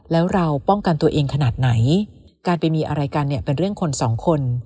แล้วเราป้องกันตัวเองขนาดไหนการไปมีอะไรกันเนี่ยเป็นเรื่องคนสองคน